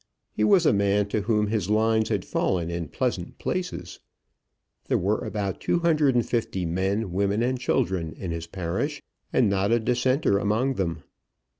He was a man to whom his lines had fallen in pleasant places. There were about 250 men, women, and children, in his parish, and not a Dissenter among them.